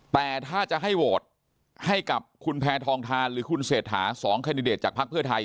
แต่ถ้าจะให้โหวตให้กับคุณแพทองทานหรือคุณเศรษฐา๒แคนดิเดตจากภักดิ์เพื่อไทย